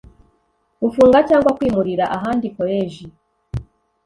gufunga cyangwa kwimurira ahandi Koleji